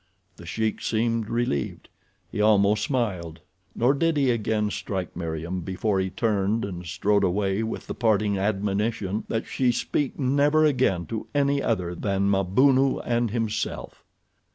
The Sheik seemed relieved. He almost smiled, nor did he again strike Meriem before he turned and strode away with the parting admonition that she speak never again to any other than Mabunu and himself.